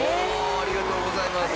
ありがとうございます！